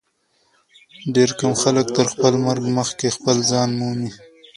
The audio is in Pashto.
ډېر کم خلک تر خپل مرګ مخکي خپل ځان مومي.